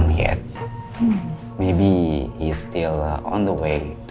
mungkin dia masih di perjalanan ke sini